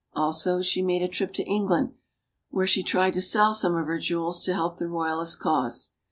Also, she made a trip to England, where she tried to sell some of her jewels to help the royalist cause.